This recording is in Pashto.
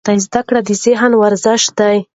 زده کړه د ذهن ورزش دی.